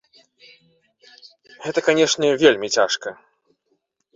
Гэта, канешне, вельмі цяжка.